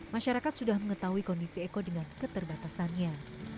masyarakat sudah mengetahui kondisi eko dengan keterbatasannya